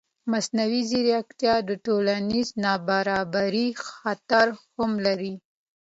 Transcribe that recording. مصنوعي ځیرکتیا د ټولنیز نابرابرۍ خطر هم لري.